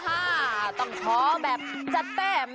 อะห้าตั้งชอแบบจัดเต้ม